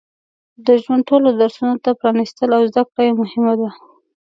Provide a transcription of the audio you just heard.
د ژوند ټولو درسونو ته پرانستل او زده کړه یې مهمه ده.